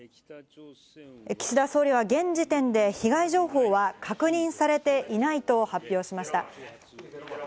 岸田総理は現時点で被害情報は確認されていないと発表しました。